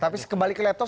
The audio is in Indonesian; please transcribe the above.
tapi kembali ke laptop